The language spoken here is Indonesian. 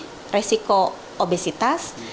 kita akan lebih risiko obesitas